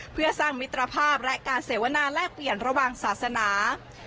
เพื่อสร้างมิตรภาพและการเสวนาแลกเปลี่ยนระหว่างศาสนา